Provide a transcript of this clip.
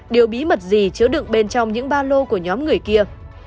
điều bí mật gì chứa đựng bên trong những ba lô của nhóm người kia